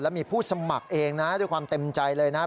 มีผู้สมัครเองนะด้วยความเต็มใจเลยนะครับ